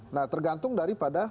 nah tergantung daripada